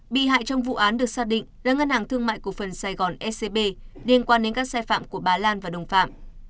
bị hại trong vụ án được xác định là ngân hàng thương mại cổ phần sài gòn ecb liên quan đến các sai phạm của bà lan và đồng phạm